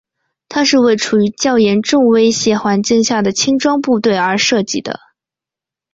它是为处于较严重威胁环境下的轻装部队而设计的。